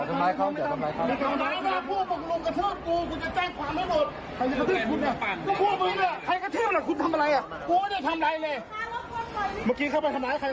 กูมีตรงไหนกูซื้อหนังสือ